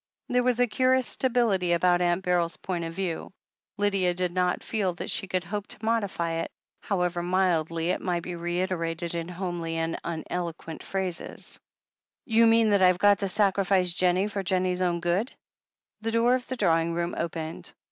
There was a curious stability about Aunt Beryl's point of view. Lydia did not feel that she could hope to modify it, however mildly it might be reiterated in homely and uneloquent phrases. THE HEEL OF ACHILLES 439 You mean that I've got to sacrifice Jennie for Jen nie's own good ?" The door of the drawing room opened.